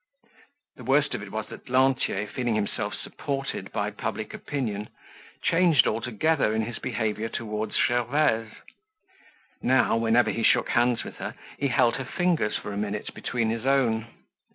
The worst of it was that Lantier, feeling himself supported by public opinion, changed altogether in his behavior towards Gervaise. Now, whenever he shook hands with her, he held her fingers for a minute between his own.